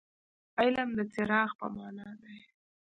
علم د څراغ په معنا دي.